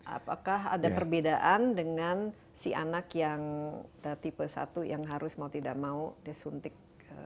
apakah ada perbedaan dengan si anak yang tipe satu yang harus mau tidak mau disuntik